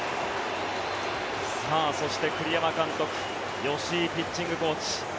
そして、栗山監督吉井ピッチングコーチ。